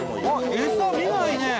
餌見ないね。